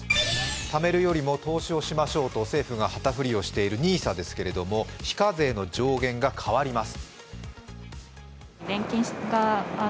ためるよりも投資をしましょうと政府が旗振りをしているＮＩＳＡですけれども、非課税の上限が変わります。